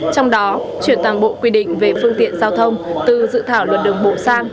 trong đó chuyển toàn bộ quy định về phương tiện giao thông từ dự thảo luật đường bộ sang